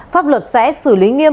pháp luật sẽ xử lý nghiêm